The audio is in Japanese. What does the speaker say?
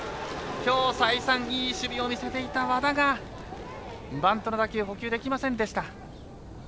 きょう再三いい守備を見せていた和田がバントの打球捕球できませんでした。